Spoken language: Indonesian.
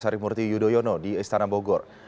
sarimurti yudhoyono di istana bogor